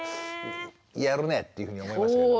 やるねっていうふうに思いましたけど。